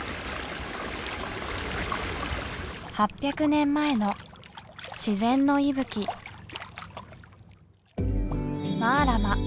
８００年前の自然の息吹マラマ